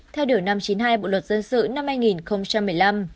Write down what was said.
theo điều năm trăm chín mươi hai bộ luật dân sự năm hai nghìn một mươi năm